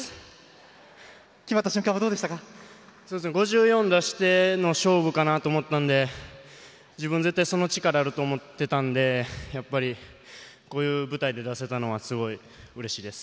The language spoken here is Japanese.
決まった瞬間は５４、出しての勝負かなと思ったので自分、絶対その力があると思ってたのでやっぱりこういう舞台で出せたのはすごいうれしいです。